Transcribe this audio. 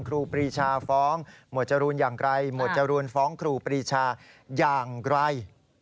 ครูปรีชาฟ้องหมวดจรูนอย่างไรหมวดจรูนฟ้องครูปรีชาอย่างไร